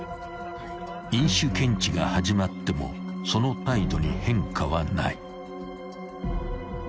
［飲酒検知が始まってもその態度に変化はない］